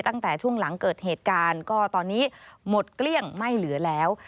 ตั้งแต่ช่วงหลังเกิดเหตุการณ์ก็ตอนนี้หมดเกลี้ยงไม่เหลือแล้ว